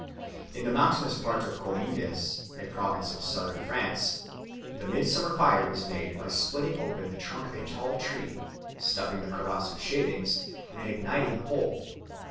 In the mountainous part of Comminges, a province of Southern France, the midsummer fire is made by splitting open the trunk of a tall tree, stuffing the crevice with shavings, and igniting the whole.